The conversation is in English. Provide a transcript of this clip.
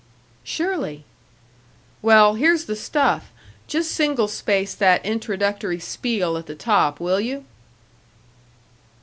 "Surely." "Well, here's the stuff. Just single space that introductory spiel at the top, will you?"